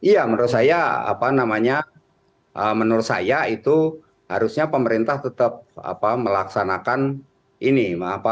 ya menurut saya harusnya pemerintah tetap melaksanakan ini